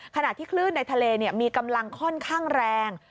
ขณะที่คลื่นในทะเลมีกำลังค่อนข้างแรง